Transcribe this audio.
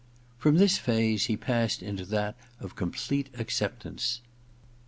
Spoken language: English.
From this phase he passed into that of com plete acceptance.